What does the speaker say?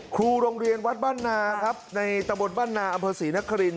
ครูโรงเรียนวัดบ้านนาครับในตะบนบ้านนาอำเภอศรีนคริน